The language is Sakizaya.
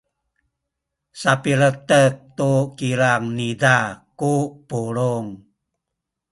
sapiletek tu kilang niza ku pulung.